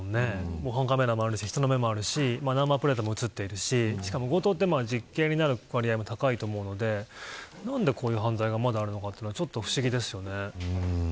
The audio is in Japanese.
防犯カメラも人の目もあるしナンバープレートも映ってるし強盗は実刑になる割合も高いと思うので何でこういう犯罪がまだあるのか不思議ですよね。